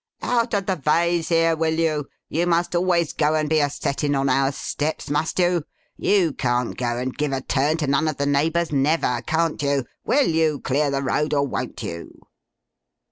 'Out of the vays here, will you! You must always go and be a settin on our steps, must you! You can't go and give a turn to none of the neighbours never, can't you! Will you clear the road, or won't you?